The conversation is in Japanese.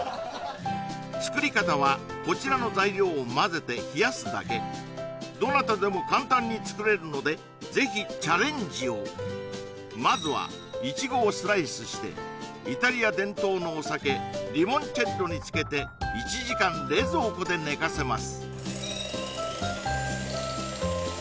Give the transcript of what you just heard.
作り方はこちらの材料をまぜて冷やすだけどなたでも簡単に作れるのでぜひチャレンジをまずはイチゴをスライスしてイタリア伝統のお酒リモンチェッロにつけて１時間冷蔵庫で寝かせます